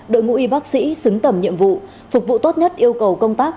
đội ngũ y bác sĩ xứng tầm nhiệm vụ phục vụ tốt nhất yêu cầu công tác